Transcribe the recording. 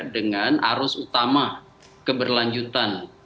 dengan arus utama keberlanjutan